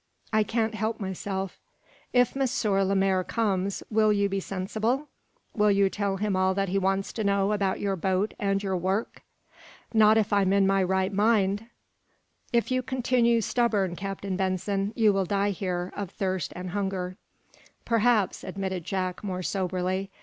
"I can't help myself." "If M. Lemaire comes, will you be sensible? Will you tell him all that he wants to know about your boat and your work?" "Not if I'm in my right mind!" "If you continue stubborn, Captain Benson, you will die here, of thirst and hunger." "Perhaps," admitted Jack, more soberly.